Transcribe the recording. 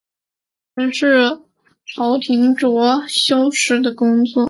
陈氏朝廷着重修史的工作。